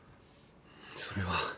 それは。